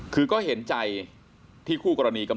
คือก็เห็นใจที่คู่กรณีกำ